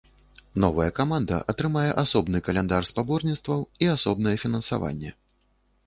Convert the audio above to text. Новая каманда атрымае асобны каляндар спаборніцтваў і асобнае фінансаванне.